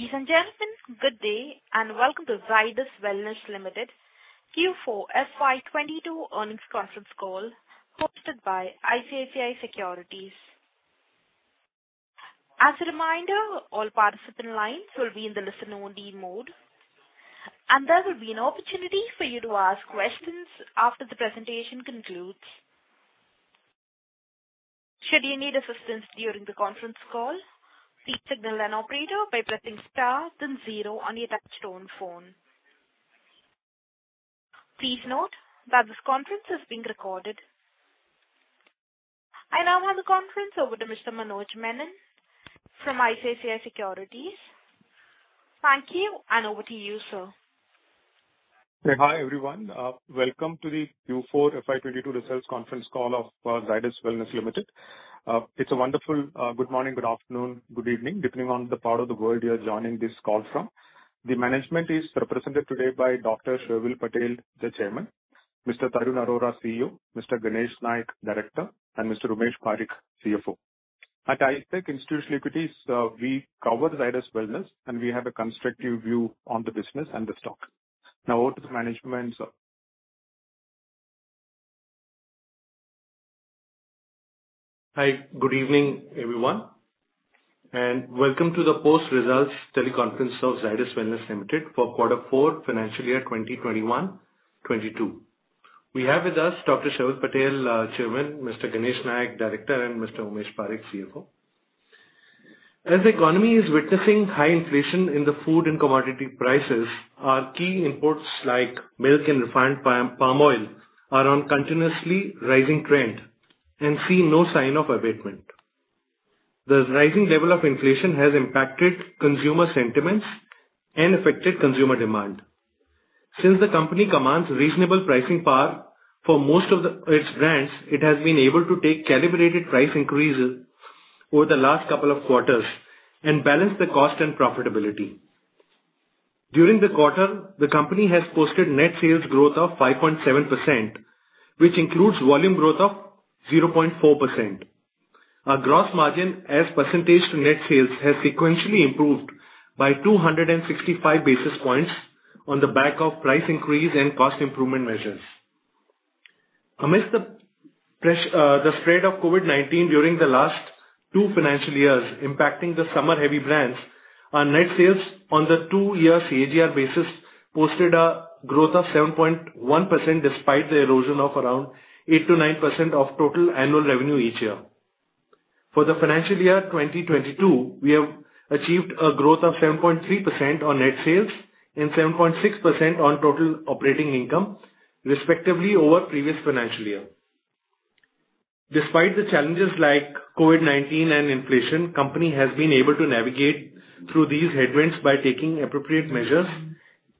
Ladies and gentlemen, good day, and welcome to Zydus Wellness Limited Q4 FY22 earnings conference call hosted by ICICI Securities. As a reminder, all participant lines will be in the listen only mode, and there will be an opportunity for you to ask questions after the presentation concludes. Should you need assistance during the conference call, please signal an operator by pressing star then zero on your touchtone phone. Please note that this conference is being recorded. I now hand the conference over to Mr. Manoj Menon from ICICI Securities. Thank you, and over to you, sir. Hi, everyone. Welcome to the Q4 FY22 results conference call of Zydus Wellness Limited. It's a wonderful, good morning, good afternoon, good evening, depending on the part of the world you are joining this call from. The management is represented today by Dr. Sharvil Patel, the Chairman, Mr. Tarun Arora, CEO, Mr. Ganesh Nayak, Director, and Mr. Umesh Parikh, CFO. At ICICI Securities Institutional Equities, we cover Zydus Wellness, and we have a constructive view on the business and the stock. Now over to the management, sir. Hi, good evening, everyone, and welcome to the post-results teleconference of Zydus Wellness Limited for quarter four financial year 2021-22. We have with us Dr. Sharvil Patel, Chairman, Mr. Ganesh Nayak, Director, and Mr. Umesh Parikh, CFO. As the economy is witnessing high inflation in the food and commodity prices, our key imports like milk and refined palm oil are on continuously rising trend and see no sign of abatement. The rising level of inflation has impacted consumer sentiments and affected consumer demand. Since the company commands reasonable pricing power for most of its brands, it has been able to take calibrated price increases over the last couple of quarters and balance the cost and profitability. During the quarter, the company has posted net sales growth of 5.7%, which includes volume growth of 0.4%. Our gross margin as percentage to net sales has sequentially improved by 265 basis points on the back of price increase and cost improvement measures. Amidst the spread of COVID-19 during the last two financial years impacting the summer-heavy brands, our net sales on the two-year CAGR basis posted a growth of 7.1% despite the erosion of around 8%-9% of total annual revenue each year. For the financial year 2022, we have achieved a growth of 7.3% on net sales and 7.6% on total operating income respectively over previous financial year. Despite the challenges like COVID-19 and inflation, company has been able to navigate through these headwinds by taking appropriate measures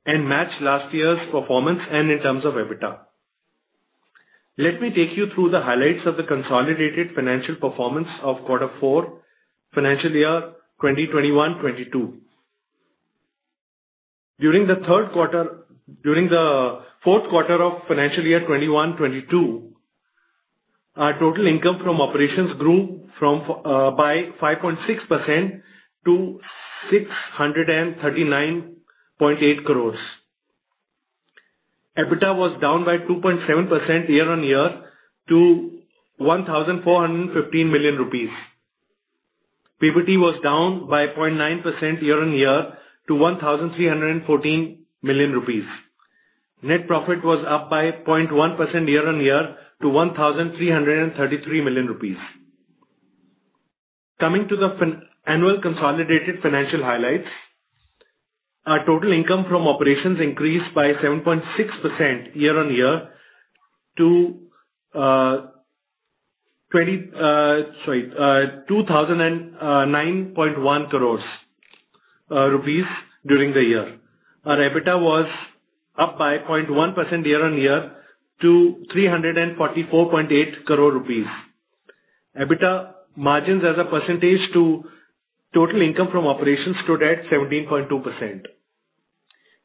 and match last year's performance and in terms of EBITDA. Let me take you through the highlights of the consolidated financial performance of quarter four financial year 2021-2022. During the fourth quarter of financial year 2021-2022, our total income from operations grew by 5.6% to 639.8 crore. EBITDA was down by 2.7% year-on-year to 1,415 million rupees. PBT was down by 0.9% year-on-year to 1,314 million rupees. Net profit was up by 0.1% year-on-year to 1,333 million rupees. Coming to annual consolidated financial highlights. Our total income from operations increased by 7.6% year-on-year to, sorry, 2,009.1 crore during the year. Our EBITDA was up by 0.1% year-on-year to 344.8 crore rupees. EBITDA margins as a percentage to total income from operations stood at 17.2%.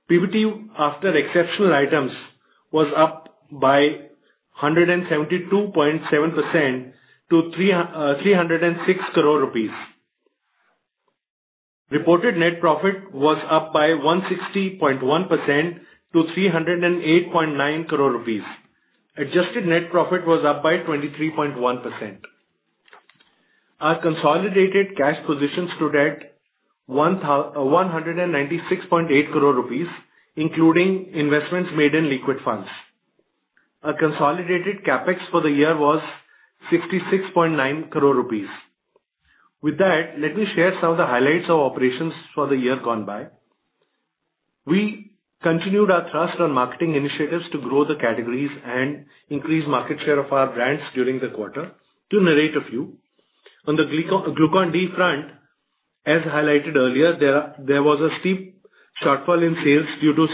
PBT after exceptional items was up by 172.7% to INR 306 crore. Reported net profit was up by 160.1% to 308.9 crore rupees. Adjusted net profit was up by 23.1%. Our consolidated cash position stood at INR 196.8 crore, including investments made in liquid funds. Our consolidated CapEx for the year was 66.9 crore rupees. With that, let me share some of the highlights of operations for the year gone by. We continued our thrust on marketing initiatives to grow the categories and increase market share of our brands during the quarter. To narrate a few, on the Glucon-D front, as highlighted earlier, there was a steep shortfall in sales due to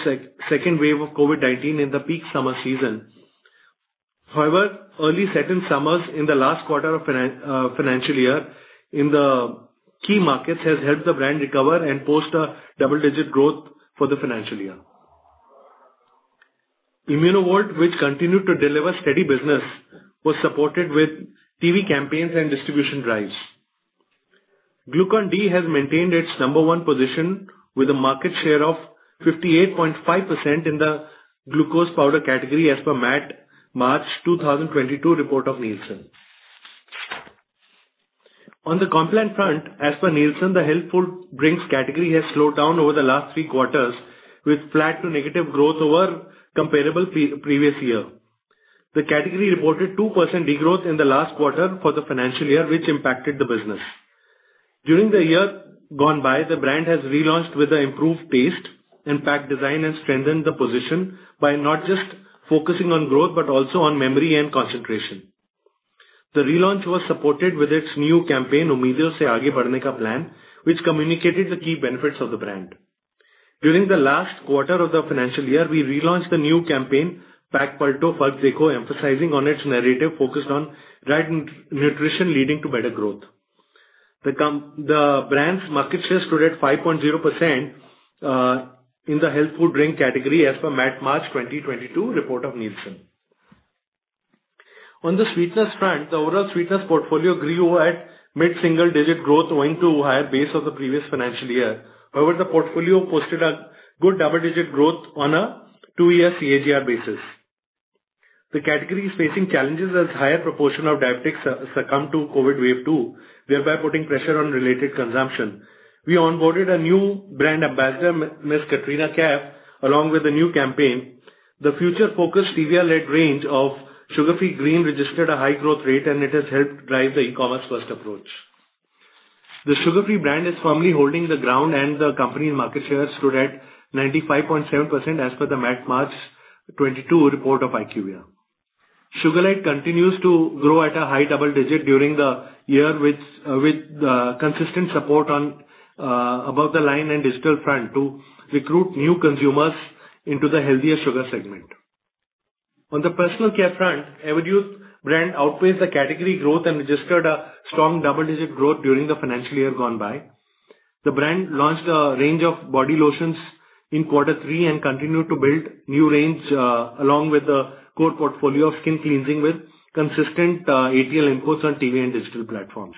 second wave of COVID-19 in the peak summer season. However, early second summers in the last quarter of financial year in the key markets has helped the brand recover and post a double-digit growth for the financial year. ImmunoVolt, which continued to deliver steady business, was supported with TV campaigns and distribution drives. Glucon-D has maintained its number one position with a market share of 58.5% in the glucose powder category as per MAT March 2022 report of Nielsen. On the Complan front, as per Nielsen, the health food drinks category has slowed down over the last three quarters with flat to negative growth over comparable pre-previous year. The category reported 2% de-growth in the last quarter for the financial year, which impacted the business. During the year gone by, the brand has relaunched with an improved taste and pack design, and strengthened the position by not just focusing on growth but also on memory and concentration. The relaunch was supported with its new campaign, which communicated the key benefits of the brand. During the last quarter of the financial year, we relaunched the new campaign, Pack Palto, Fark Dekho, emphasizing on its narrative focused on right nutrition leading to better growth. The brand's market share stood at 5.0% in the health food drink category as per MAT March 2022 report of Nielsen. On the sweeteners front, the overall sweeteners portfolio grew at mid-single digit growth owing to higher base of the previous financial year. However, the portfolio posted a good double-digit growth on a two-year CAGR basis. The category is facing challenges as higher proportion of diabetics succumbed to COVID wave two, thereby putting pressure on related consumption. We onboarded a new brand ambassador, Miss Katrina Kaif, along with a new campaign. The future-focused stevia-led range of Sugar Free Green registered a high growth rate, and it has helped drive the e-commerce first approach. The Sugar Free brand is firmly holding the ground, and the company market share stood at 95.7% as per the MAT March 2022 report of IQVIA. Sugar Lite continues to grow at a high double-digit during the year with consistent support on above-the-line and digital front to recruit new consumers into the healthier sugar segment. On the personal care front, Everyuth brand outweighs the category growth and registered a strong double-digit growth during the financial year gone by. The brand launched a range of body lotions in quarter three and continued to build new range along with a good portfolio of skin cleansing with consistent ATL inputs on TV and digital platforms.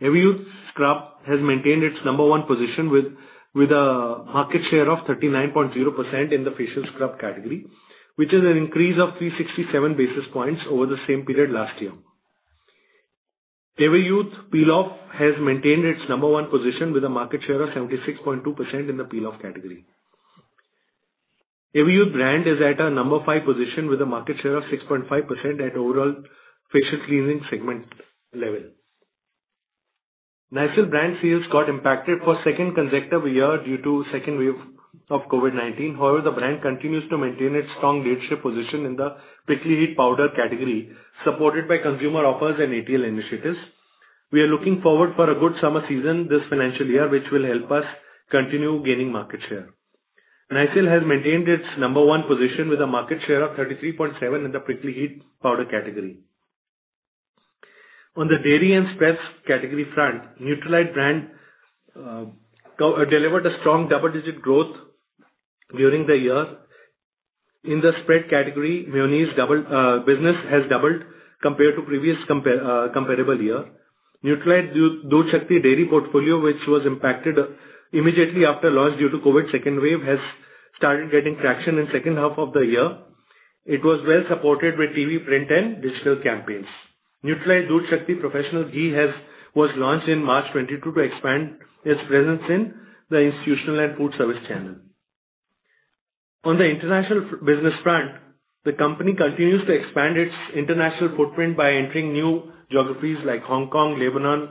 Everyuth scrub has maintained its number-one position with a market share of 39.0% in the facial scrub category, which is an increase of 367 basis points over the same period last year. Everyuth peel-off has maintained its number one position with a market share of 76.2% in the peel-off category. Everyuth brand is at a number five position with a market share of 6.5% at overall facial cleaning segment level. Nycil brand sales got impacted for second consecutive year due to second wave of COVID-19. However, the brand continues to maintain its strong leadership position in the prickly heat powder category, supported by consumer offers and ATL initiatives. We are looking forward for a good summer season this financial year, which will help us continue gaining market share. Nycil has maintained its number one position with a market share of 33.7% in the prickly heat powder category. On the dairy and spreads category front, Nutralite brand delivered a strong double-digit growth during the year. In the spread category, mayonnaise double Business has doubled compared to the comparable year. Nutralite DoodhShakti dairy portfolio, which was impacted immediately after launch due to COVID second wave, has started getting traction in second half of the year. It was well supported with TV, print and digital campaigns. Nutralite DoodhShakti Professional Ghee was launched in March 2022 to expand its presence in the institutional and food service channel. On the international business front, the company continues to expand its international footprint by entering new geographies like Hong Kong, Lebanon,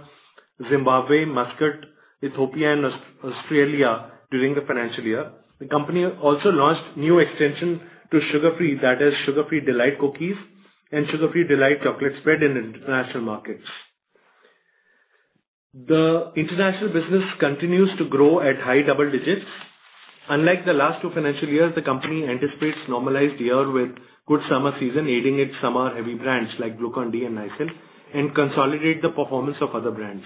Zimbabwe, Muscat, Ethiopia, and Australia during the financial year. The company also launched new extension to Sugar Free, that is Sugar Free D'lite Cookies and Sugar Free D'lite Chocolate Spread in international markets. The international business continues to grow at high double digits. Unlike the last two financial years, the company anticipates normalized year with good summer season, aiding its summer-heavy brands like Glucon-D and Nycil, and consolidate the performance of other brands.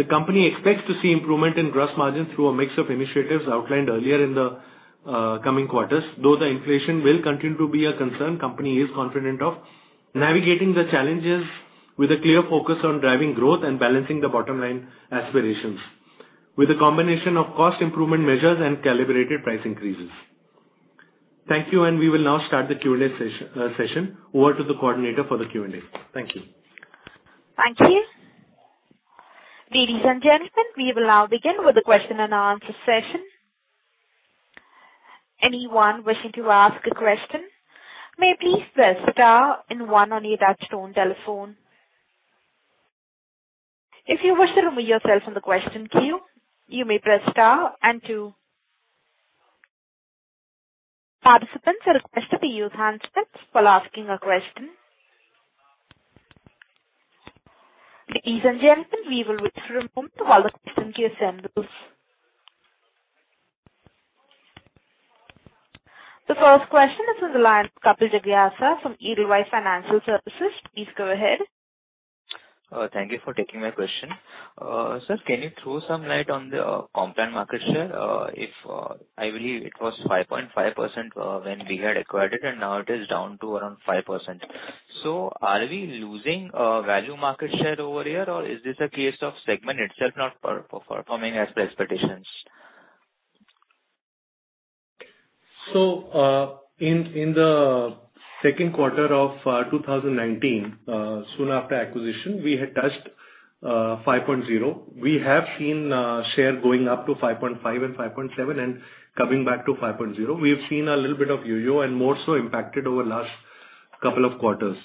The company expects to see improvement in gross margins through a mix of initiatives outlined earlier in the coming quarters. Though the inflation will continue to be a concern, company is confident of navigating the challenges with a clear focus on driving growth and balancing the bottom line aspirations, with a combination of cost improvement measures and calibrated price increases. Thank you, and we will now start the Q&A session. Over to the coordinator for the Q&A. Thank you. Thank you. Ladies and gentlemen, we will now begin with the question and answer session. Anyone wishing to ask a question may please press star and one on your touchtone telephone. If you wish to remove yourself from the question queue, you may press star and two. Participants are requested to use handsets while asking a question. Ladies and gentlemen, we will wait for a moment while the question queue assembles. The first question is from the line of Kapil Jagasia from Edelweiss Financial Services. Please go ahead. Thank you for taking my question. Sir, can you throw some light on the Complan market share? If I believe it was 5.5% when we had acquired it, and now it is down to around 5%. Are we losing value market share over here, or is this a case of the segment itself not performing as the expectations? In the second quarter of 2019, soon after acquisition, we had touched 5.0%. We have seen share going up to 5.5% and 5.7% and coming back to 5.0%. We have seen a little bit of yo-yo and more so impacted over last couple of quarters.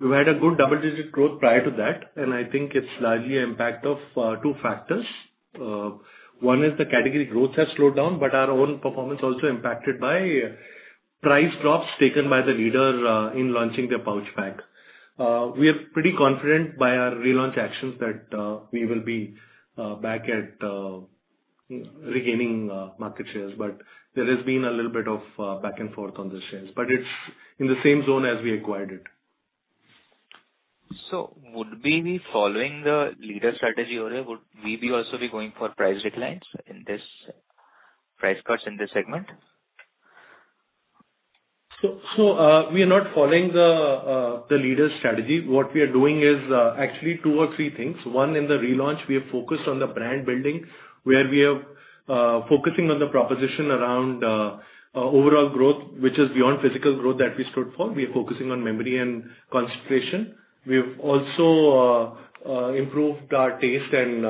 We have had a good double-digit growth prior to that, and I think it's largely impact of two factors. One is the category growth has slowed down, but our own performance also impacted by price drops taken by the leader in launching their pouch pack. We are pretty confident by our relaunch actions that we will be back at regaining market shares. There has been a little bit of back and forth on the shares, but it's in the same zone as we acquired it. Would we be following the leader strategy over here? Would we be also going for price cuts in this segment? We are not following the leader's strategy. What we are doing is actually two or three things. One, in the relaunch, we are focused on the brand building, where we are focusing on the proposition around overall growth, which is beyond physical growth that we stood for. We are focusing on memory and concentration. We have also improved our taste and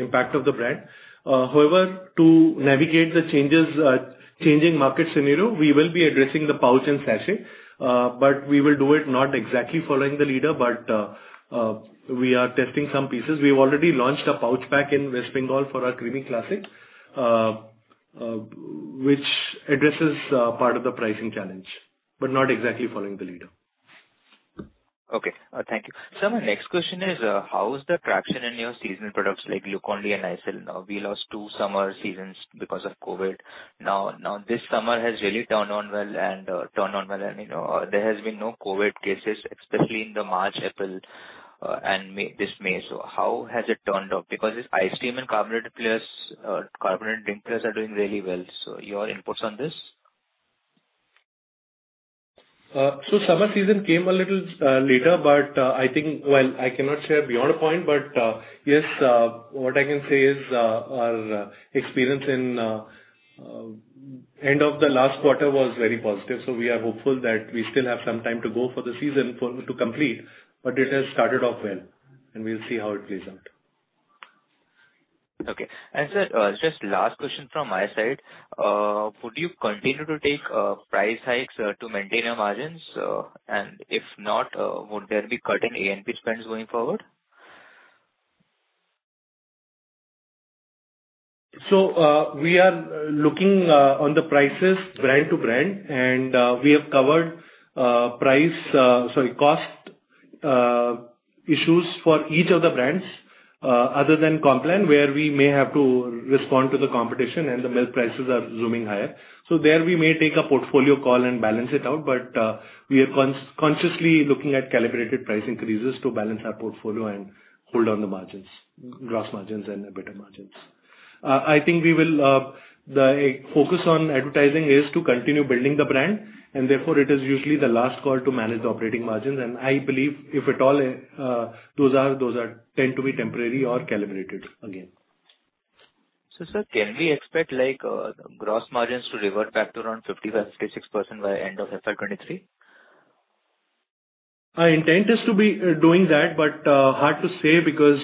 impact of the brand. However, to navigate the changes, changing market scenario, we will be addressing the pouch and sachet, but we will do it not exactly following the leader, but we are testing some pieces. We have already launched a pouch pack in West Bengal for our Creamy Classic, which addresses part of the pricing challenge, but not exactly following the leader. Okay. Thank you. Sir, my next question is, how is the traction in your seasonal products like Glucon-D and Nycil? We lost two summer seasons because of COVID. Now this summer has really turned on well and, you know, there has been no COVID cases, especially in March, April, and May, this May. How has it turned out? Because ice cream and carbonated players, carbonated drink players are doing really well. Your inputs on this. Summer season came a little later, but I think. Well, I cannot share beyond a point, but yes, what I can say is, our experience in the end of the last quarter was very positive. We are hopeful that we still have some time to go for the season to complete, but it has started off well, and we'll see how it plays out. Okay. Sir, just last question from my side. Would you continue to take price hikes to maintain your margins? If not, would there be cut in A&P spends going forward? We are looking on the prices brand to brand, and we have covered cost issues for each of the brands other than Complan, where we may have to respond to the competition and the milk prices are zooming higher. There we may take a portfolio call and balance it out, but we are consciously looking at calibrated price increases to balance our portfolio and hold on the margins, gross margins and EBITDA margins. I think the focus on advertising is to continue building the brand, and therefore it is usually the last call to manage the operating margins. I believe if at all, those tend to be temporary or calibrated again. sir, can we expect like, gross margins to revert back to around 55%-66% by end of FY 2023? Our intent is to be doing that, but hard to say because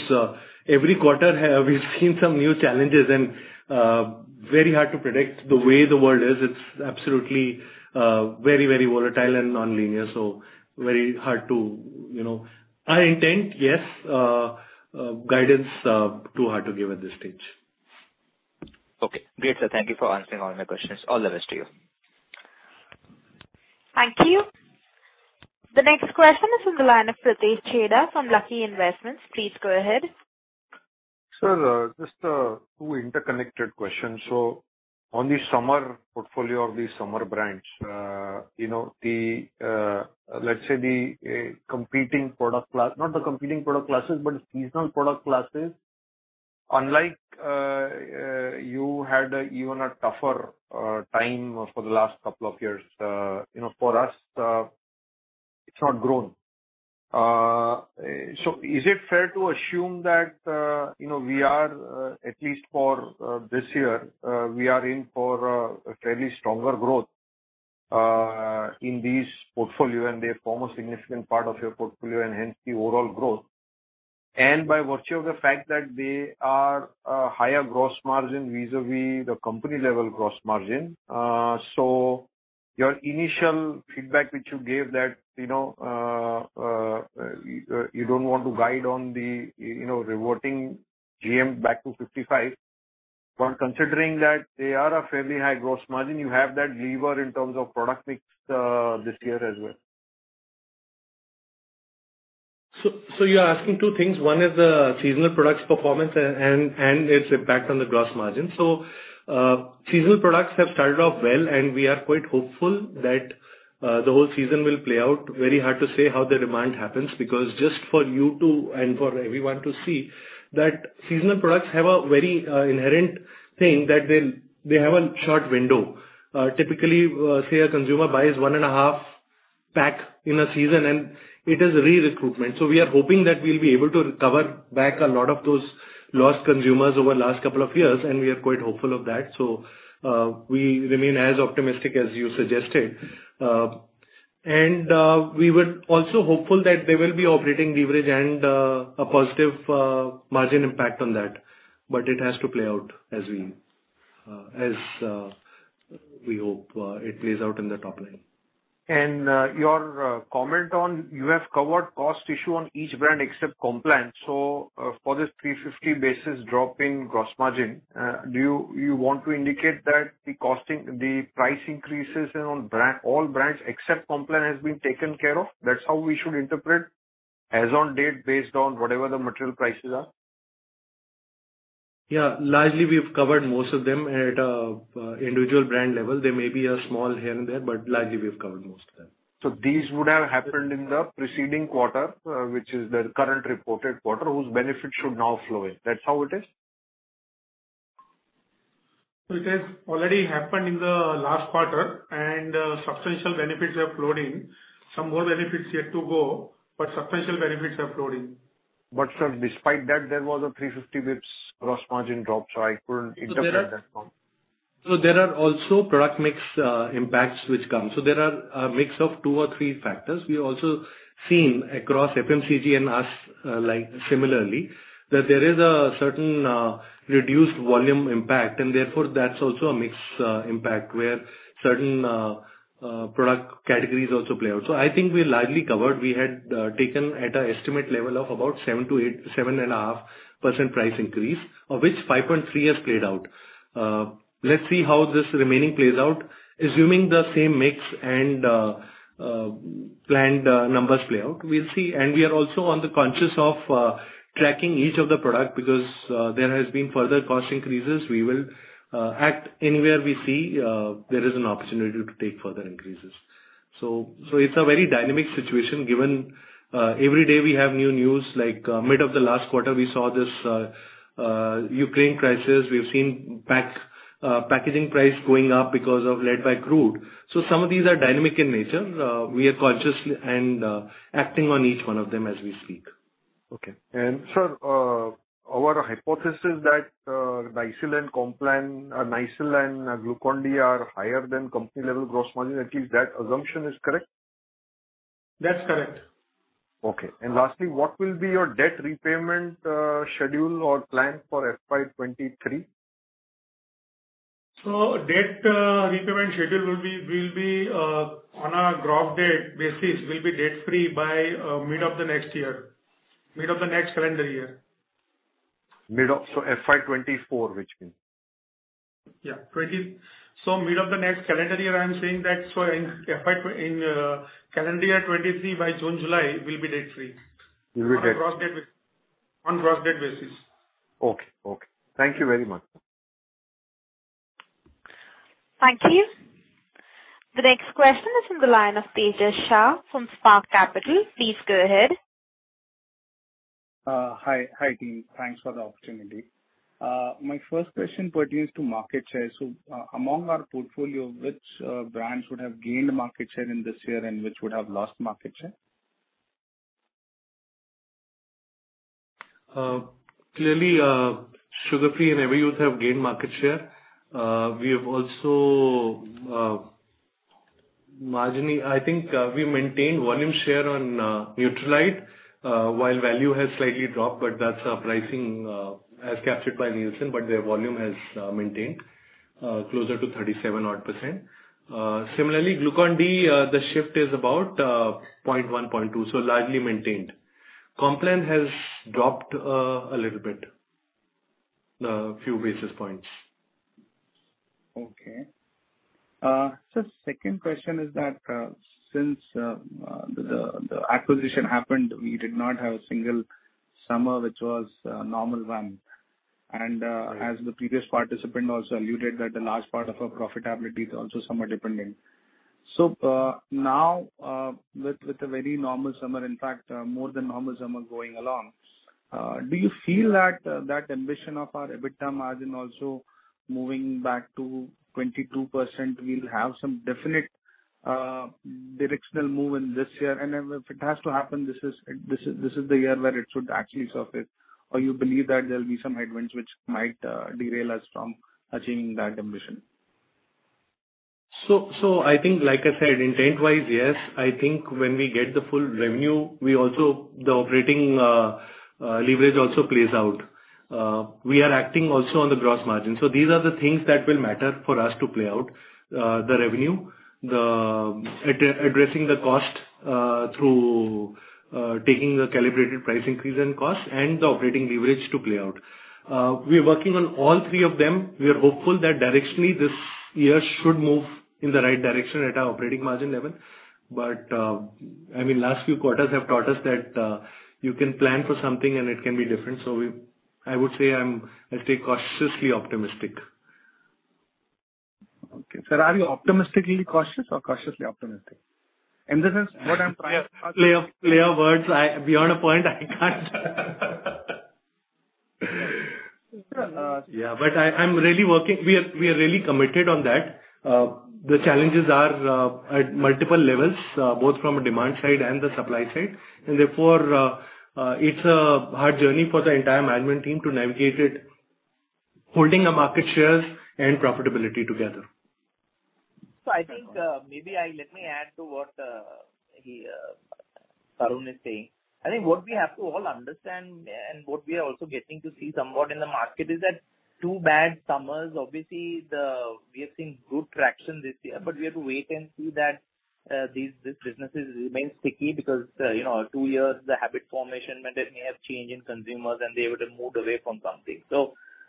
every quarter we've seen some new challenges and very hard to predict the way the world is. It's absolutely very, very volatile and non-linear, so very hard to, you know. Our intent, yes. Guidance too hard to give at this stage. Okay, great, sir. Thank you for answering all my questions. All the best to you. Thank you. The next question is from the line of Pritesh Chheda from Lucky Investment Managers. Please go ahead. Sir, just two interconnected questions. On the summer portfolio of the summer brands, you know, let's say the competing product class, not the competing product classes, but seasonal product classes, unlike you had even a tougher time for the last couple of years. You know, for us, it's not grown. Is it fair to assume that, you know, we are at least for this year, we are in for a fairly stronger growth in this portfolio and they form a significant part of your portfolio and hence the overall growth. By virtue of the fact that they are a higher gross margin vis-à-vis the company level gross margin. Your initial feedback which you gave that, you know, you don't want to guide on the, you know, reverting GM back to 55%. Considering that they are a fairly high gross margin, you have that lever in terms of product mix, this year as well. You are asking two things. One is the seasonal products performance and its impact on the gross margin. Seasonal products have started off well, and we are quite hopeful that the whole season will play out. Very hard to say how the demand happens, because just for you to, and for everyone to see, that seasonal products have a very inherent thing, that they have a short window. Typically, say a consumer buys one and a half pack in a season, and it is recruitment. We are hoping that we'll be able to recover back a lot of those lost consumers over last couple of years, and we are quite hopeful of that. We remain as optimistic as you suggested. We were also hopeful that there will be operating leverage and a positive margin impact on that. It has to play out as we hope it plays out in the top line. Your comment on. You have covered cost issue on each brand except Complan. For this 350 basis points drop in gross margin, do you want to indicate that the costing, the price increases on brand, all brands except Complan has been taken care of? That's how we should interpret as on date, based on whatever the material prices are? Yeah. Largely, we have covered most of them at a, individual brand level. There may be a small here and there, but largely we have covered most of them. These would have happened in the preceding quarter, which is the current reported quarter, whose benefit should now flow in. That's how it is? It has already happened in the last quarter, and substantial benefits are flowing. Some more benefits yet to go, but substantial benefits are flowing. sir, despite that, there was a 350 basis points gross margin drop, so I couldn't interpret that from. There are also product mix impacts which come. There are a mix of two or three factors. We also seen across FMCG and us, like similarly, that there is a certain reduced volume impact, and therefore that's also a mix impact where certain product categories also play out. I think we largely covered. We had taken at an estimate level of about 7%-8%, 7.5% price increase, of which 5.3% has played out. Let's see how this remaining plays out. Assuming the same mix and planned numbers play out, we'll see. We are also conscious of tracking each of the product because there has been further cost increases. We will act anywhere we see there is an opportunity to take further increases. It's a very dynamic situation given every day we have new news. Like mid of the last quarter, we saw this Ukraine crisis. We've seen packaging price going up because of lead pipe crude. Some of these are dynamic in nature. We are conscious and acting on each one of them as we speak. Okay. Sir, our hypothesis that Nycil and Complan, Nycil and Glucon-D are higher than company-level gross margin, at least that assumption is correct? That's correct. Okay. Lastly, what will be your debt repayment schedule or plan for FY 2023? Debt repayment schedule will be on a gross debt basis. We'll be debt-free by mid of the next year, mid of the next calendar year. Middle of FY 24, which means? Mid of the next calendar year, I am saying that, in calendar year 2023, by June, July, we'll be debt-free. You'll be debt. On gross debt basis. Okay. Thank you very much. Thank you. The next question is in the line of Tejas Shah from Spark Capital. Please go ahead. Hi, team. Thanks for the opportunity. My first question pertains to market share. Among our portfolio, which brands would have gained market share in this year and which would have lost market share? Clearly, Sugar Free and Everyuth have gained market share. We have also marginally, I think, maintained volume share on Nutralite, while value has slightly dropped, but that's a pricing, as captured by Nielsen, but their volume has maintained closer to 37-odd%. Similarly, Glucon-D, the shift is about 0.1%-0.2%, so largely maintained. Complan has dropped a little bit, a few basis points. Okay. Sir, second question is that since the acquisition happened, we did not have a single summer which was a normal one. As the previous participant also alluded that the large part of our profitability is also summer-dependent. Now with a very normal summer, in fact, more than normal summer going along, do you feel that ambition of our EBITDA margin also moving back to 22% will have some definite directional move in this year? If it has to happen, this is the year where it should actually surface. Or you believe that there will be some headwinds which might derail us from achieving that ambition? I think, like I said, intent-wise, yes. I think when we get the full revenue, the operating leverage also plays out. We are acting also on the gross margin. These are the things that will matter for us to play out. The revenue, addressing the cost through taking a calibrated price increase in cost and the operating leverage to play out. We're working on all three of them. We are hopeful that directionally this year should move in the right direction at our operating margin level. I mean, last few quarters have taught us that you can plan for something and it can be different. I would say I'll stay cautiously optimistic. Okay. Sir, are you optimistically cautious or cautiously optimistic? This is what I'm trying- Play on words. Beyond a point I can't. Yeah. I'm really working. We are really committed on that. The challenges are at multiple levels, both from a demand side and the supply side. Therefore, it's a hard journey for the entire management team to navigate it, holding our market shares and profitability together. I think, maybe I... Let me add to what he Tarun is saying. I think what we have to all understand and what we are also getting to see somewhat in the market is that two bad summers, obviously the... We are seeing good traction this year, but we have to wait and see that these businesses remain sticky because you know, two years the habit formation method may have changed in consumers, and they would have moved away from something.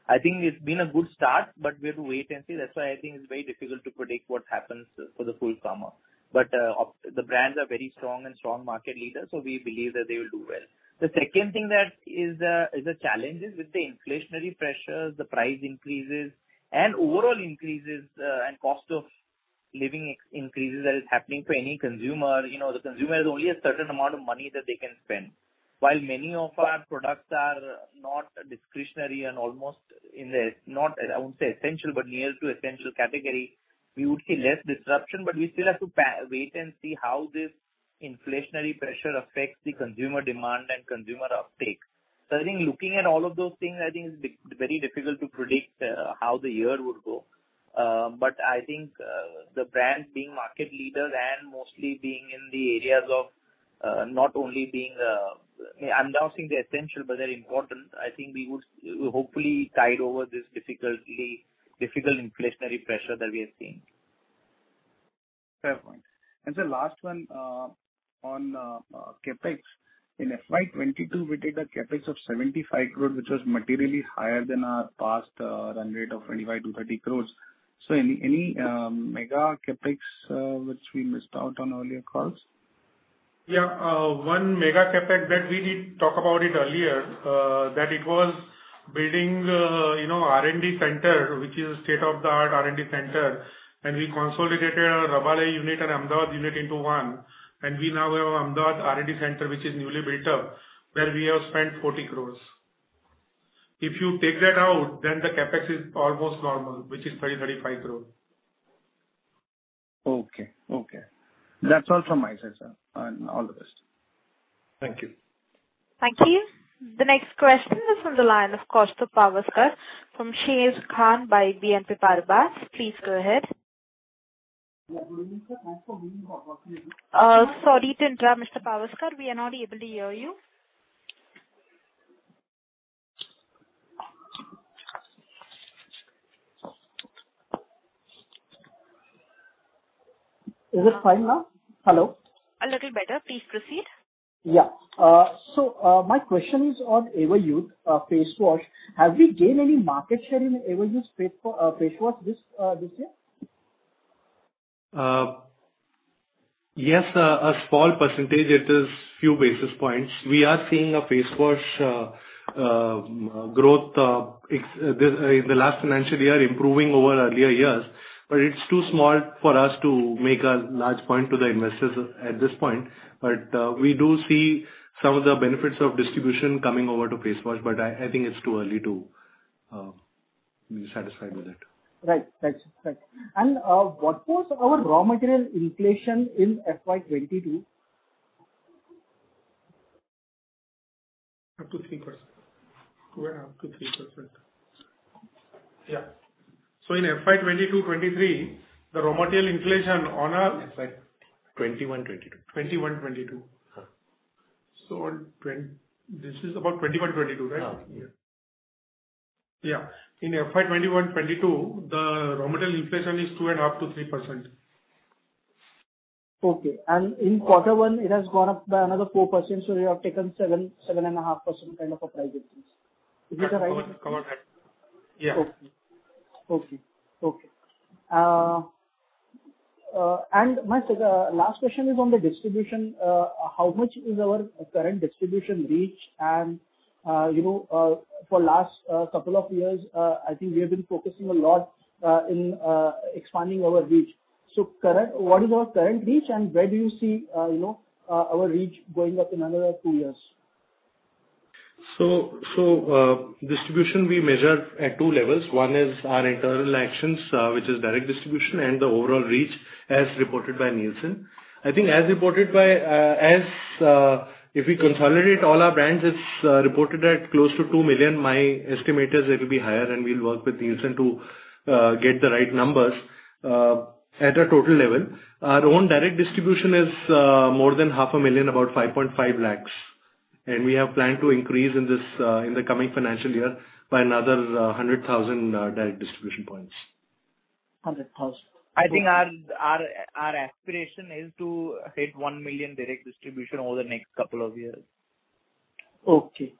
I think it's been a good start, but we have to wait and see. That's why I think it's very difficult to predict what happens for the full summer. But the brands are very strong and strong market leaders, so we believe that they will do well. The second thing that is a challenge is with the inflationary pressures, the price increases and overall increases, and cost of living increases that is happening to any consumer. You know, the consumer has only a certain amount of money that they can spend. While many of our products are not discretionary and almost, not I won't say essential, but near to essential category, we would see less disruption, but we still have to wait and see how this inflationary pressure affects the consumer demand and consumer uptake. I think looking at all of those things, I think it's very difficult to predict how the year would go. I think the brands being market leaders and mostly being in the areas of not only being essential but they're important. I think we would hopefully tide over this difficult inflationary pressure that we are seeing. Fair point. Sir, last one, on CapEx. In FY 22, we did a CapEx of 75 crore, which was materially higher than our past run rate of 25 crore-30 crore. Any mega CapEx which we missed out on earlier calls? Yeah. One mega CapEx that we did talk about it earlier, that it was building, you know, R&D center, which is a state-of-the-art R&D center, and we consolidated our Rabale unit and Ahmedabad unit into one, and we now have Ahmedabad R&D center, which is newly built up, where we have spent 40 crore. If you take that out, then the CapEx is almost normal, which is 20 crore-35 crore. Okay. Okay. That's all from my side, sir, and all the best. Thank you. Thank you. The next question is on the line of Kaustubh Pawaskar from Sharekhan by BNP Paribas. Please go ahead. Yeah. Good evening, sir. Thanks for giving- Sorry to interrupt, Mr. Pawaskar. We are not able to hear you. Is it fine now? Hello. A little better. Please proceed. Yeah. My question is on Everyuth face wash. Have we gained any market share in Everyuth face wash this year? Yes, a small percentage. It is few basis points. We are seeing a face wash growth excluding the last financial year improving over earlier years, but it's too small for us to make a large point to the investors at this point. We do see some of the benefits of distribution coming over to face wash, but I think it's too early to be satisfied with it. Right. Thanks. What was our raw material inflation in FY 22? Up to 3%. 2.5%-3%. Yeah. In FY 2022-2023, the raw material inflation on a- FY 2021-2022. 2021- 2022. Uh. This is about 2021-2022, right? Yeah. Yeah. In FY 2021-2022, the raw material inflation is 2.5%-3%. Okay. In quarter one, it has gone up by another 4%, so you have taken 7%-7.5% kind of a price increase. Is that the right- Yeah. My last question is on the distribution. How much is our current distribution reach and you know for last couple of years I think we have been focusing a lot in expanding our reach. What is our current reach, and where do you see you know our reach going up in another two years? Distribution we measure at two levels. One is our internal actions, which is direct distribution, and the overall reach as reported by Nielsen. I think if we consolidate all our brands, it's reported at close to 2 million. My estimate is it'll be higher, and we'll work with Nielsen to get the right numbers at a total level. Our own direct distribution is more than 0.5 million, about 5.5 lakhs, and we have planned to increase in the coming financial year by another 100,000 direct distribution points. 100,000. I think our aspiration is to hit 1 million direct distribution over the next couple of years. Okay.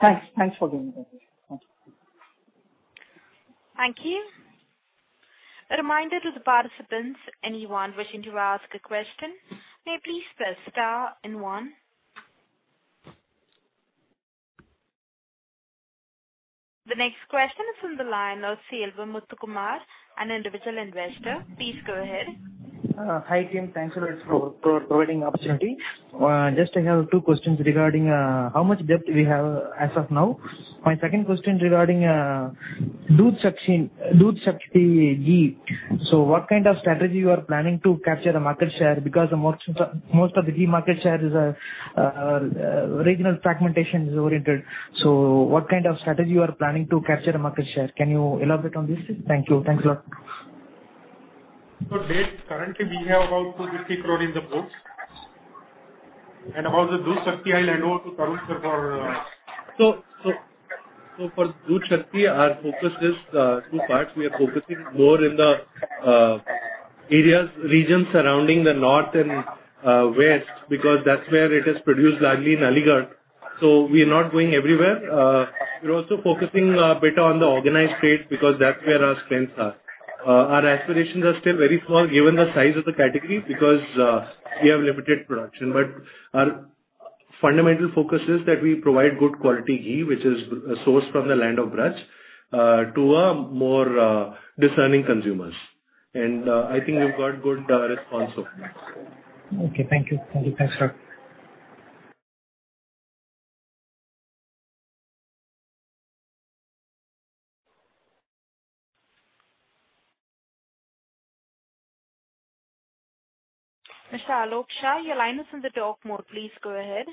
Thanks for giving that information. Thank you. Thank you. A reminder to the participants, anyone wishing to ask a question, may please press star and one. The next question is from the line of Selvam Muthukumar, an Individual Investor. Please go ahead. Hi, team. Thanks a lot for providing the opportunity. Just I have two questions regarding how much debt we have as of now. My second question regarding DoodhShakti Ghee. What kind of strategy you are planning to capture the market share because most of the ghee market share is regional fragmentation oriented. What kind of strategy you are planning to capture the market share? Can you elaborate on this? Thank you. Thanks a lot. Debt, currently we have about 250 crore in the books. About the DoodhShakti, I'll hand over to Mr. Tarun Arora for... For DoodhShakti, our focus is two parts. We are focusing more in the areas, regions surrounding the north and west because that's where it is produced largely in Aligarh, so we are not going everywhere. We're also focusing better on the organized trade because that's where our strengths are. Our aspirations are still very small given the size of the category because we have limited production. Our fundamental focus is that we provide good quality ghee, which is sourced from the land of Braj to a more discerning consumers. I think we've got good response so far. Okay. Thank you. Thanks, sir. Mr. Alok Shah, your line is in the talk mode. Please go ahead.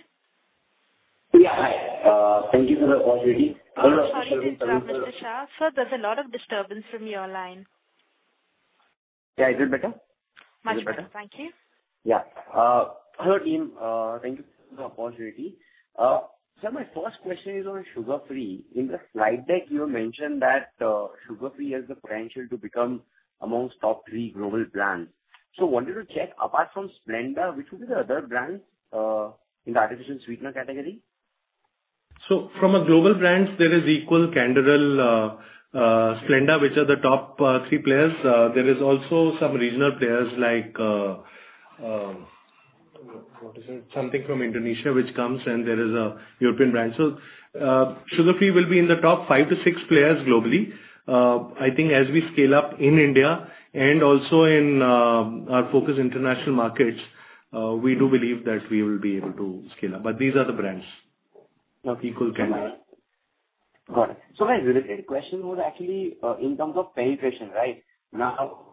Yeah, hi. Thank you for the opportunity. Sorry to interrupt, Mr. Shah. Sir, there's a lot of disturbance from your line. Yeah. Is it better? Much better. Thank you. Hello, team. Thank you for the opportunity. My first question is on Sugar Free. In the slide deck, you mentioned that Sugar Free has the potential to become amongst top three global brands. Wanted to check, apart from Splenda, which would be the other brands in the artificial sweetener category? From a global brands, there is Equal, Canderel, Splenda, which are the top three players. There is also some regional players like, what is it? Something from Indonesia which comes, and there is a European brand. Sugar Free will be in the top five to six players globally. I think as we scale up in India and also in our focus international markets, we do believe that we will be able to scale up. These are the brands. Equal, Canderel. Got it. My related question was actually, in terms of penetration, right? Now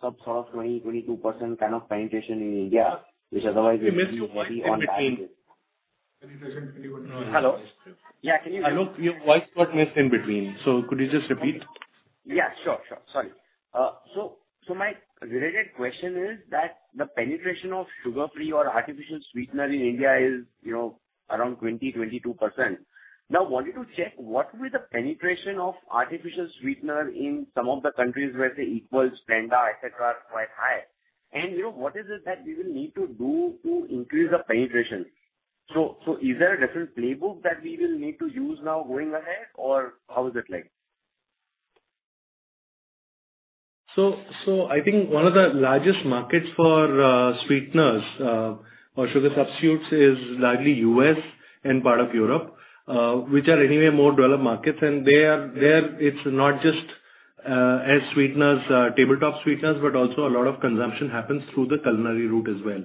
some sort of 20%-22% kind of penetration in India, which otherwise would be You missed in between. Hello? Yeah. Can you hear me? Alok, your voice got missed in between, so could you just repeat? Yeah, sure. Sorry. So my related question is that the penetration of sugar-free or artificial sweetener in India is, you know, around 20%-22%. Now, wanted to check what were the penetration of artificial sweetener in some of the countries where, say, Equal, Splenda, et cetera, are quite high. You know, what is it that we will need to do to increase the penetration? So is there a different playbook that we will need to use now going ahead, or how is it like? I think one of the largest markets for sweeteners or sugar substitutes is largely U.S. and part of Europe, which are anyway more developed markets. There it's not just as sweeteners, tabletop sweeteners, but also a lot of consumption happens through the culinary route as well.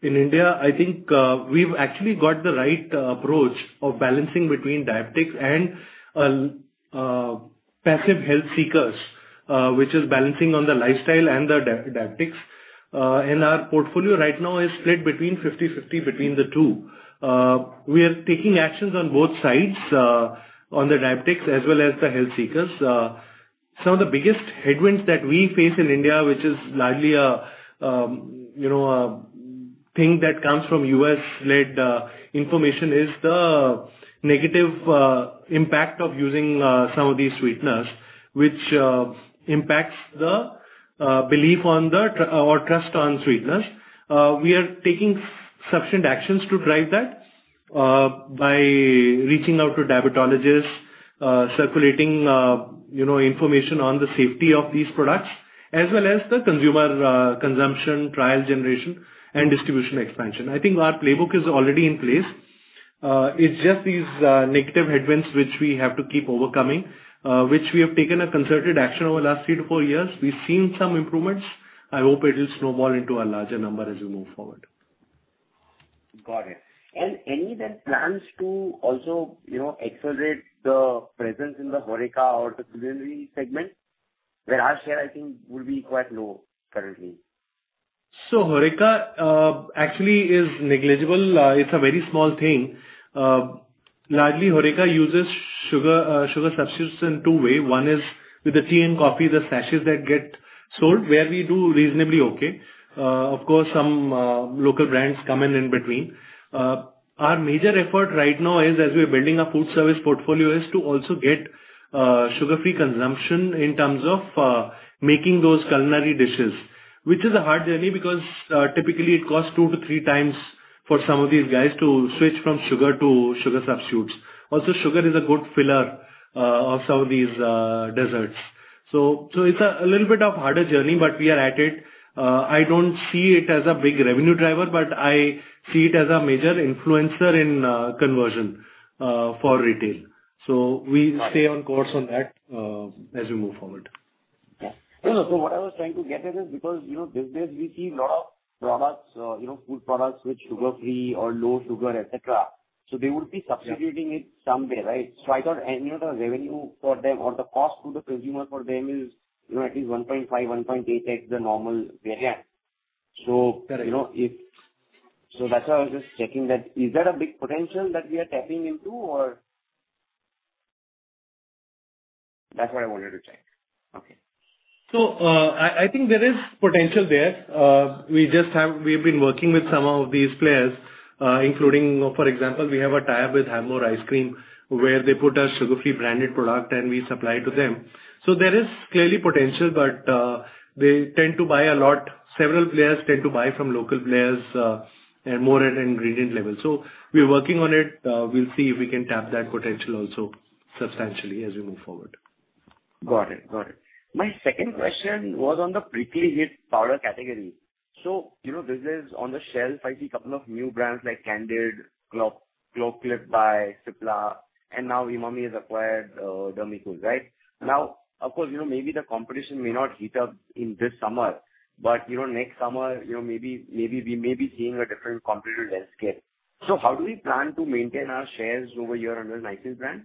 In India, I think we've actually got the right approach of balancing between diabetics and passive health seekers, which is balancing on the lifestyle and the diabetics. Our portfolio right now is split between 50-50 between the two. We are taking actions on both sides, on the diabetics as well as the health seekers. Some of the biggest headwinds that we face in India, which is largely, you know, a thing that comes from U.S.-led information, is the negative impact of using some of these sweeteners, which impacts the belief in or trust in sweeteners. We are taking sufficient actions to drive that by reaching out to diabetologists, circulating, you know, information on the safety of these products, as well as the consumer consumption, trial generation, and distribution expansion. I think our playbook is already in place. It's just these negative headwinds which we have to keep overcoming, which we have taken a concerted action over the last three to four years. We've seen some improvements. I hope it will snowball into a larger number as we move forward. Got it. Any plans to then also, you know, accelerate the presence in the HoReCa or the culinary segment, where our share, I think, will be quite low currently? HoReCa actually is negligible. It's a very small thing. Largely HoReCa uses sugar substitutes in two ways. One is with the tea and coffee, the sachets that get sold, where we do reasonably okay. Of course, some local brands come in between. Our major effort right now is, as we're building our food service portfolio, to also get sugar-free consumption in terms of making those culinary dishes, which is a hard journey because typically it costs 2x-3x for some of these guys to switch from sugar to sugar substitutes. Also, sugar is a good filler of some of these desserts. It's a little bit harder journey, but we are at it. I don't see it as a big revenue driver, but I see it as a major influencer in conversion for retail. We stay on course on that as we move forward. What I was trying to get at is because, you know, these days we see a lot of products, you know, food products which sugar-free or low sugar, etc., so they would be substituting it somewhere, right? I thought any of the revenue for them or the cost to the consumer for them is, you know, at least 1.5, 1.8x the normal variant. Yeah. Correct. You know, if that's why I was just checking that is that a big potential that we are tapping into or? That's what I wanted to check. Okay. I think there is potential there. We've been working with some of these players, including, for example, we have a tie-up with Havmor Ice Cream, where they put a sugar-free branded product and we supply to them. There is clearly potential, but they tend to buy a lot. Several players tend to buy from local players and more at ingredient level. We're working on it. We'll see if we can tap that potential also substantially as we move forward. Got it. My second question was on the prickly heat powder category. You know, these days on the shelf I see a couple of new brands like Candid, Clocip by Cipla, and now Emami has acquired Dermicool, right? Mm-hmm. Now, of course, you know, maybe the competition may not heat up in this summer, but, you know, next summer, you know, maybe we may be seeing a different competitive landscape. How do we plan to maintain our shares over here under Nycil brand?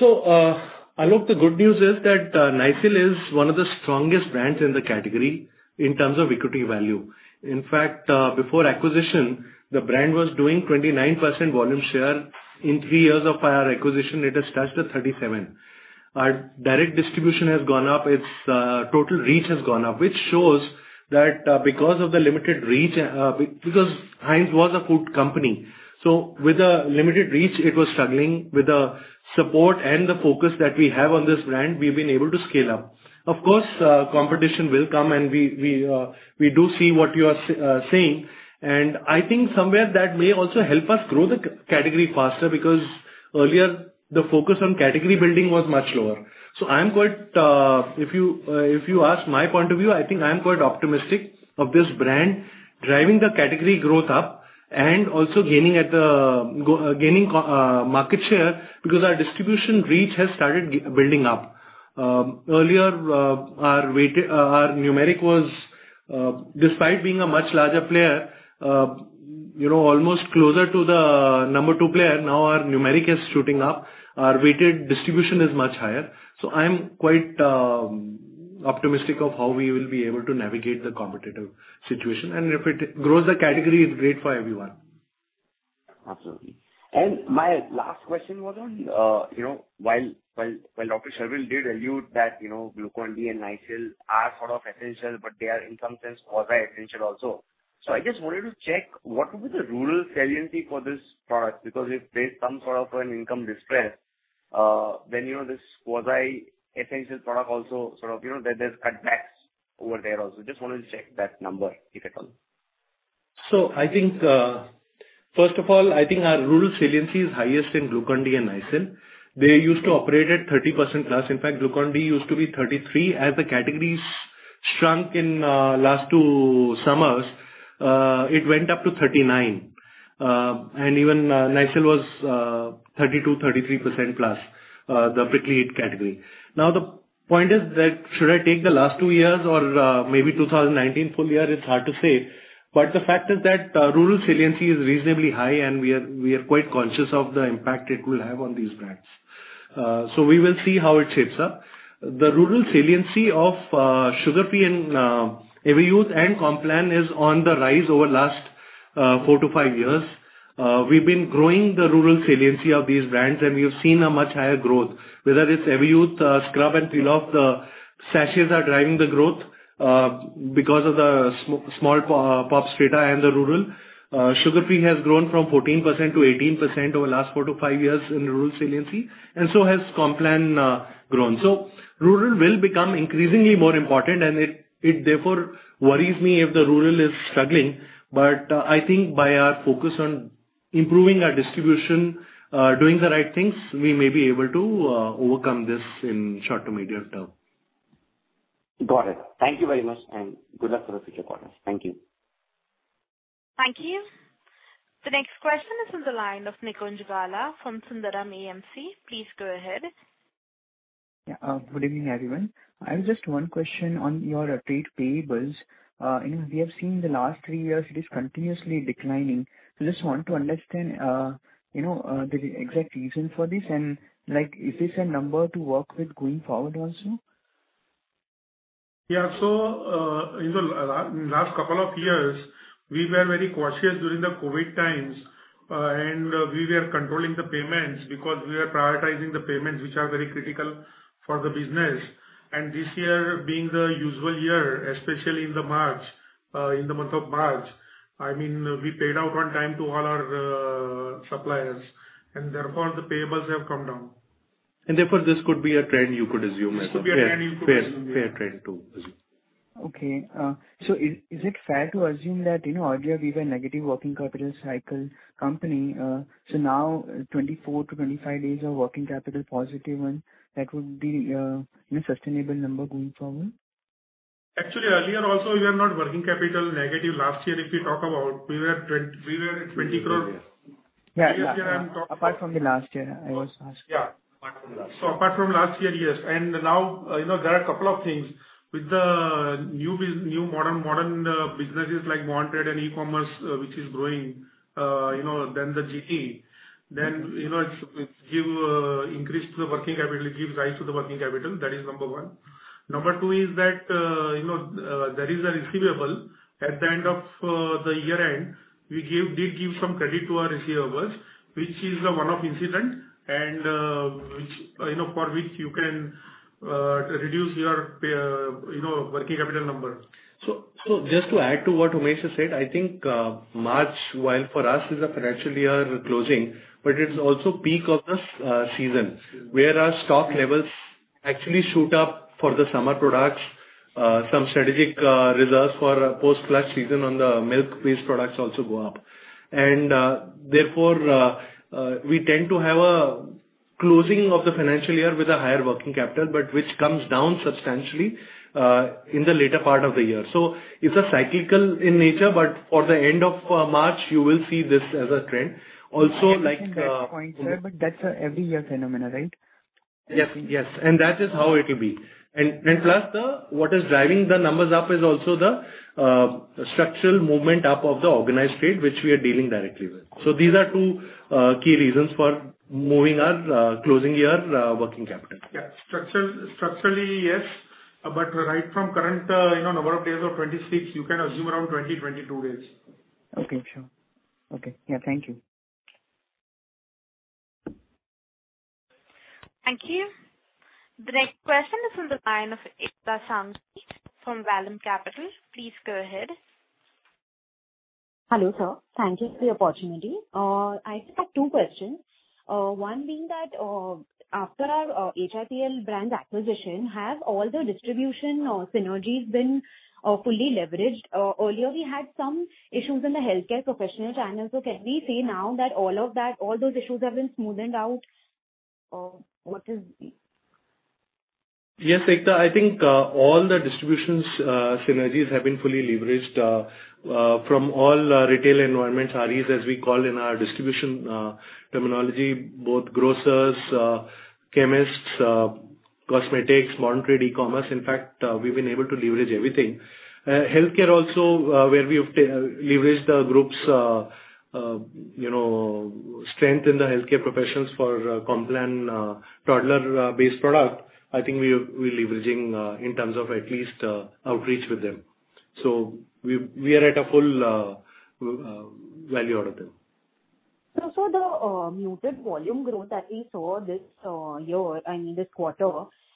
Alok, the good news is that Nycil is one of the strongest brands in the category in terms of equity value. In fact, before acquisition, the brand was doing 29% volume share. In three years of our acquisition, it has touched 37%. Our direct distribution has gone up. Its total reach has gone up, which shows that because of the limited reach, Heinz was a good company. With a limited reach, it was struggling. With the support and the focus that we have on this brand, we've been able to scale up. Of course, competition will come, and we do see what you are saying, and I think somewhere that may also help us grow the category faster, because earlier the focus on category building was much lower. I'm quite, if you ask my point of view, I think I'm quite optimistic of this brand driving the category growth up and also gaining market share because our distribution reach has started building up. Earlier, our numeric was, despite being a much larger player, you know, almost closer to the number two player, now our numeric is shooting up. Our weighted distribution is much higher. I'm quite optimistic of how we will be able to navigate the competitive situation, and if it grows the category, it's great for everyone. Absolutely. My last question was on, you know, while Dr. Sharvil did allude that, you know, Glucon-D and Nycil are sort of essential, but they are in some sense quasi-essential also. I just wanted to check what would be the rural saliency for this product? Because if there's some sort of an income distress, then, you know, this quasi-essential product also sort of, you know, there's cutbacks over there also. Just wanted to check that number, if at all. I think, first of all, I think our rural saliency is highest in Glucon-D and Nycil. They used to operate at 30%+. In fact, Glucon-D used to be 33%. As the categories shrunk in last two summers, it went up to 39%. And even Nycil was 32%, 33%+, the prickly heat category. Now, the point is that should I take the last two years or maybe 2019 full year? It's hard to say. The fact is that rural saliency is reasonably high, and we are quite conscious of the impact it will have on these brands. We will see how it shapes up. The rural saliency of Sugar Free and Everyuth and Complan is on the rise over last four to five years. We've been growing the rural saliency of these brands, and we have seen a much higher growth, whether it's Everyuth scrub and peel-off sachets are driving the growth because of the small pops data and the rural. Sugar Free has grown from 14%-18% over the last four to five years in rural saliency, and so has Complan grown. Rural will become increasingly more important, and it therefore worries me if the rural is struggling. I think by our focus on improving our distribution, doing the right things, we may be able to overcome this in short to medium term. Got it. Thank you very much, and good luck for the future quarters. Thank you. Thank you. The next question is on the line of Nikunj Gala from Sundaram AMC. Please go ahead. Good evening, everyone. I have just one question on your trade payables. You know, we have seen the last three years it is continuously declining. Just want to understand, you know, the exact reason for this, and, like, is this a number to work with going forward also? Yeah, you know, last couple of years, we were very cautious during the COVID times, and we were controlling the payments because we were prioritizing the payments, which are very critical for the business. This year being the usual year, especially in the month of March, I mean, we paid out on time to all our suppliers, and therefore the payables have come down. Therefore, this could be a trend you could assume. Fair trend to assume. Okay. Is it fair to assume that, you know, earlier we were negative working capital cycle company, now 24-25 days of working capital positive and that would be, you know, sustainable number going forward? Actually, earlier also we are not working capital negative. Last year, if you talk about, we were at 20 crore. Yeah. Apart from the last year. I asked last year. Apart from last year, yes. Now, you know, there are a couple of things. With the new modern businesses like modern trade and e-commerce, which is growing faster than the GT. Then, you know, it gives rise to the working capital. That is number one. Number two is that, you know, there is a receivable. At the end of the year-end, we did give some credit to our receivables, which is a one-off incident and, which, you know, for which you can reduce your payables, you know, working capital number. Just to add to what Umesh has said, I think March, while for us is a financial year closing, but it's also peak of the season, where our stock levels actually shoot up for the summer products. Some strategic reserves for post-festive season on the milk-based products also go up. Therefore, we tend to have a closing of the financial year with a higher working capital, but which comes down substantially in the later part of the year. It's cyclical in nature, but for the end of March, you will see this as a trend. Also, like I understand that point, sir, but that's an every year phenomenon, right? Yes. Yes, that is how it will be. Plus the what is driving the numbers up is also the structural movement up of the organized trade, which we are dealing directly with. These are two key reasons for moving our closing year working capital. Yeah. Structurally, yes. Right from current, you know, number of days of 26, you can assume around 20-22 days. Okay, sure. Okay. Yeah. Thank you. Thank you. The next question is from the line of Ekta Sanghvi from Vallum Capital. Please go ahead. Hello, sir. Thank you for the opportunity. I just have two questions. One being that, after our Heinz brand acquisition, have all the distribution or synergies been fully leveraged? Earlier we had some issues in the healthcare professional channel. Can we say now that all of that, all those issues have been smoothened out? What is the-. Yes, Ekta Sanghvi. I think all the distribution synergies have been fully leveraged from all retail environments, REs, as we call in our distribution terminology, both grocers, chemists, cosmetics, modern trade, e-commerce. In fact, we've been able to leverage everything. Healthcare also, where we have leveraged the group's you know strength in the healthcare professionals for Complan toddler-based product. I think we're leveraging in terms of at least outreach with them. We are at a full value out of them. Sir, the muted volume growth that we saw this year, I mean, this quarter,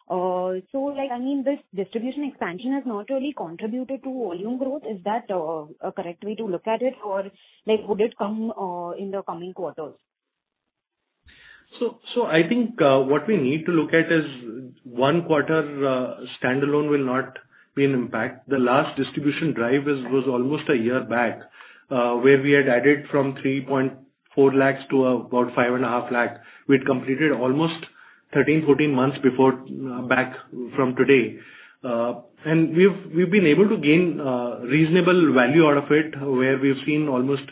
so, like, I mean, this distribution expansion has not really contributed to volume growth. Is that a correct way to look at it? Or, like, would it come in the coming quarters? I think what we need to look at is one quarter standalone will not be an impact. The last distribution drive was almost a year back, where we had added from 3.4 lakh to about 5.5 lakh. We'd completed almost 13-14 months before back from today. We have been able to gain reasonable value out of it, where we have seen almost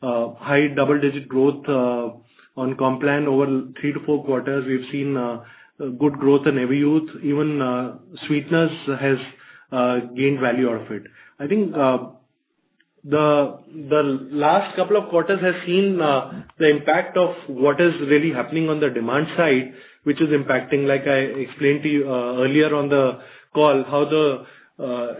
high double-digit growth on Complan over three to four quarters. We have seen good growth in Everyuth. Even Sweeteners has gained value out of it. I think the last couple of quarters has seen the impact of what is really happening on the demand side, which is impacting, like I explained to you earlier on the call, how the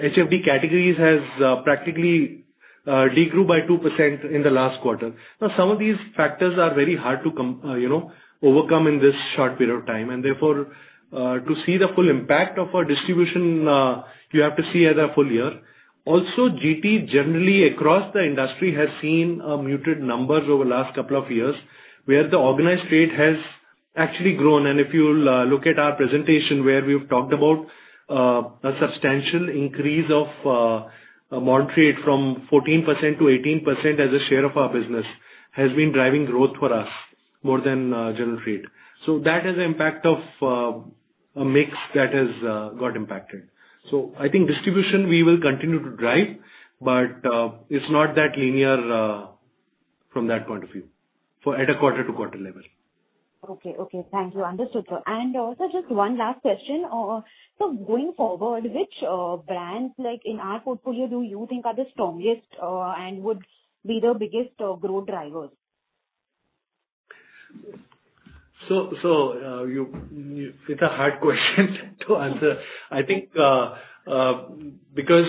HFD categories has practically degrew by 2% in the last quarter. Now, some of these factors are very hard to, you know, overcome in this short period of time, and therefore to see the full impact of our distribution, you have to see as a full year. Also, GT generally across the industry has seen muted numbers over last couple of years, where the organized trade has actually grown. If you'll look at our presentation where we've talked about a substantial increase of modern trade from 14%-18% as a share of our business has been driving growth for us more than general trade. That is the impact of a mix that has got impacted. I think distribution we will continue to drive, but it's not that linear from that point of view for at a quarter to quarter level. Okay. Thank you. Understood, sir. Also just one last question. So going forward, which brands like in our portfolio do you think are the strongest and would be the biggest growth drivers? It's a hard question to answer. I think because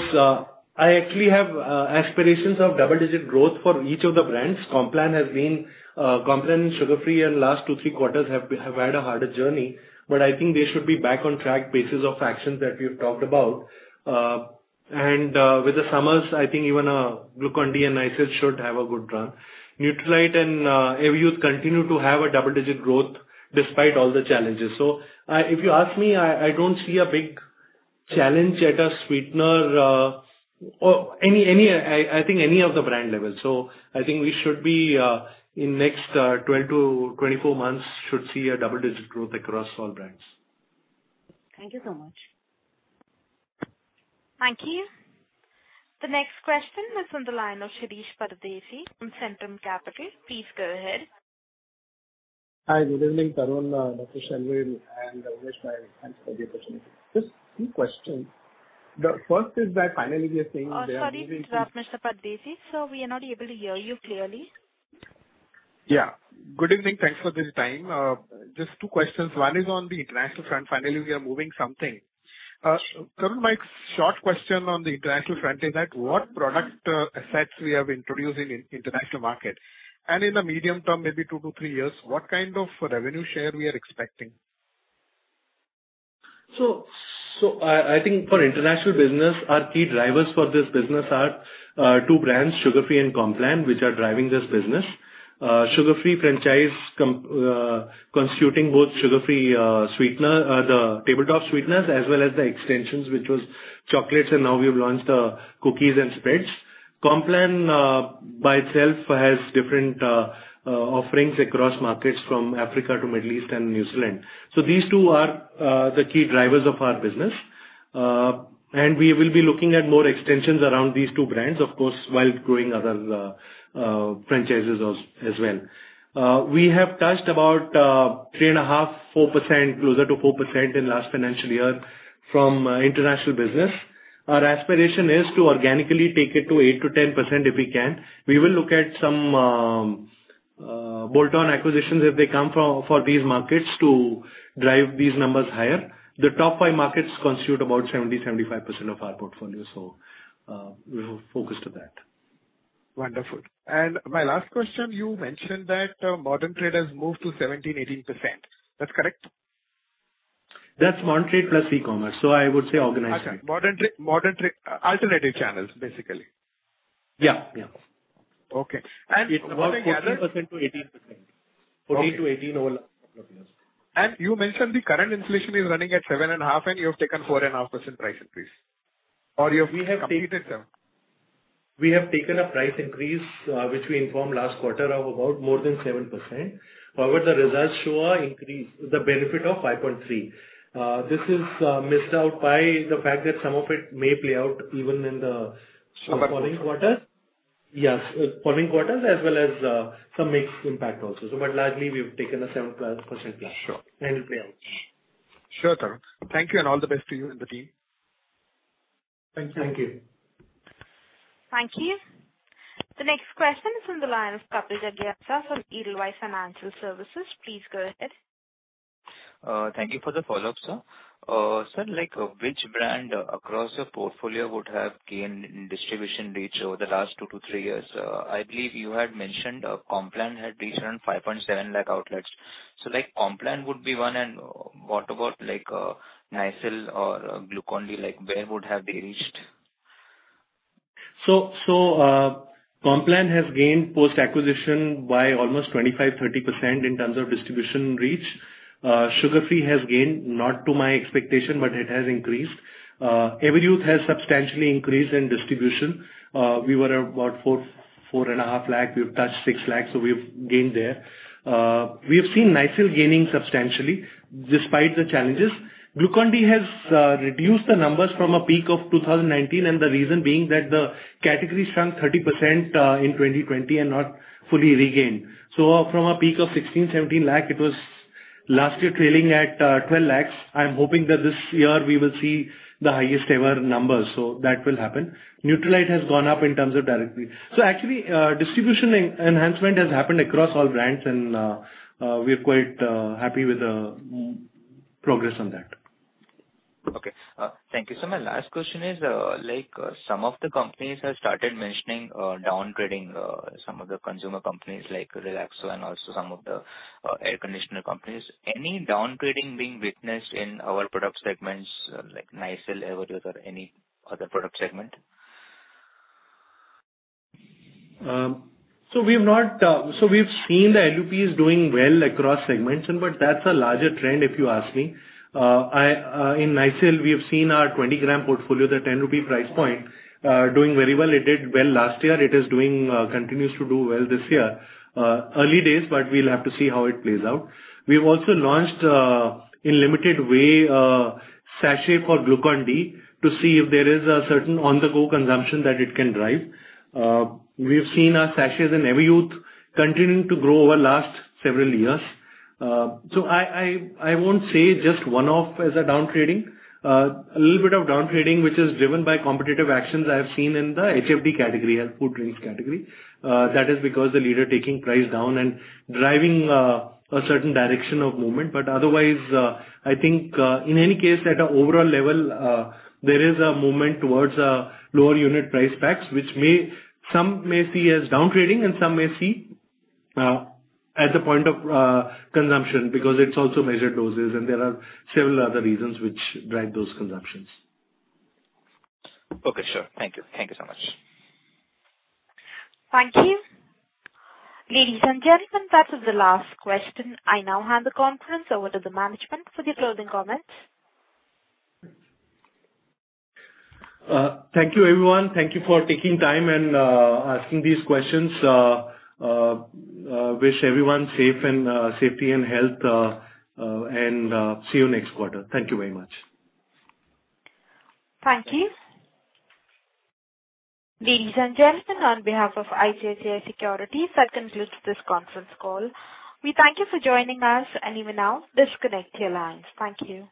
I actually have aspirations of double-digit growth for each of the brands. Complan has been Complan Sugar Free in last two, three quarters have had a harder journey, but I think they should be back on track basis of actions that we've talked about. With the summers, I think even Glucon-D and Nycil should have a good run. Nutralite and Everyuth continue to have a double-digit growth despite all the challenges. If you ask me, I don't see a big challenge at a sweetener or any, I think any of the brand levels. I think we should be in next 12-24 months should see a double-digit growth across all brands. Thank you so much. Thank you. The next question is from the line of Shirish Pardeshi from Centrum Capital. Please go ahead. Hi, good evening, Tarun, Dr. Sharvil and Umesh. My thanks for the opportunity. Just two questions. The first is that finally we are seeing. Sorry to interrupt, Mr. Pardeshi. Sir, we are not able to hear you clearly. Yeah. Good evening. Thanks for the time. Just two questions. One is on the international front. Finally, we are moving something. Tarun, my short question on the international front is that what product assets we have introduced in international market? And in the medium term, maybe two to three years, what kind of revenue share we are expecting? I think for international business, our key drivers for this business are two brands, Sugar Free and Complan, which are driving this business. Sugar Free franchise constituting both Sugar Free sweetener, the tabletop sweeteners, as well as the extensions, which was chocolates, and now we have launched cookies and spreads. Complan by itself has different offerings across markets from Africa to Middle East and New Zealand. These two are the key drivers of our business. We will be looking at more extensions around these two brands, of course, while growing other franchises as well. We have touched about 3.5%, 4%, closer to 4% in last financial year from international business. Our aspiration is to organically take it to 8%-10% if we can. We will look at some bolt-on acquisitions if they come for these markets to drive these numbers higher. The top five markets constitute about 70%-75% of our portfolio, so we're focused on that. Wonderful. My last question, you mentioned that modern trade has moved to 17%-18%. That's correct? That's modern trade plus e-commerce, so I would say organized channel. Modern trade, alternative channels, basically. Yeah, yeah. Okay. What I gathered. It's about 14%-18%. 14% to 18% over. You mentioned the current inflation is running at 7.5%, and you have taken 4.5% price increase, or you've completed 7%. We have taken a price increase, which we informed last quarter of about more than 7%. However, the results show an increase, the benefit of 5.3%. This is missed out by the fact that some of it may play out even in the Summer quarter. Following quarter. Yes, following quarters as well as some mix impact also. Largely we've taken a 7%+. Sure. It'll play out. Sure, Tarun. Thank you and all the best to you and the team. Thank you. Thank you. The next question is from the line of Kapil Jagasia from Edelweiss Financial Services. Please go ahead. Thank you for the follow-up, sir. Sir, like, which brand across your portfolio would have gained in distribution reach over the last two to three years? I believe you had mentioned, Complan had reached around 5.7 lac outlets. Like, Complan would be one, and what about, like, Nycil or Glucon-D? Like, where would have they reached? Complan has gained post-acquisition by almost 25%-30% in terms of distribution reach. Sugar Free has gained, not to my expectation, but it has increased. Everyuth has substantially increased in distribution. We were about 4.5 lakh. We've touched 6 lakh, so we've gained there. We have seen Nycil gaining substantially despite the challenges. Glucon-D has reduced the numbers from a peak of 2019, and the reason being that the category shrunk 30% in 2020 and not fully regained. From a peak of 16 lakh-17 lakh, it was last year trailing at 12 lakh. I'm hoping that this year we will see the highest ever numbers. That will happen. Nutralite has gone up in terms of directly. Actually, distribution enhancement has happened across all brands and we're quite happy with the progress on that. Okay. Thank you. My last question is, like, some of the companies have started mentioning, downgrading, some of the consumer companies like Relaxo and also some of the air conditioner companies. Any downgrading being witnessed in our product segments like Nycil, Everyuth or any other product segment? We've seen the LUP is doing well across segments and, but that's a larger trend if you ask me. In Nycil, we have seen our 20 g portfolio, the 10 rupee price point doing very well. It did well last year. It is doing, continues to do well this year. Early days. We'll have to see how it plays out. We've also launched in limited way sachet for Glucon-D to see if there is a certain on-the-go consumption that it can drive. We've seen our sachets in Everyuth continuing to grow over last several years. I won't say just one-off as a downgrading. A little bit of downgrading, which is driven by competitive actions I have seen in the HFD category, health food drinks category. That is because the leader taking price down and driving a certain direction of movement. Otherwise I think in any case at a overall level there is a movement towards lower unit price packs which may some may see as downgrading and some may see as a point of consumption because it's also measured doses and there are several other reasons which drive those consumptions. Okay, sure. Thank you. Thank you so much. Thank you. Ladies and gentlemen, that is the last question. I now hand the conference over to the management for the closing comments. Thank you everyone. Thank you for taking time and asking these questions. Wish everyone safe and safety and health, and see you next quarter. Thank you very much. Thank you. Ladies and gentlemen, on behalf of ICICI Securities, that concludes this conference call. We thank you for joining us and you may now disconnect your lines. Thank you.